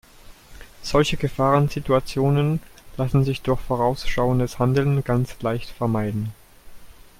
Solche Gefahrensituationen lassen sich durch vorausschauendes Handeln ganz leicht vermeiden.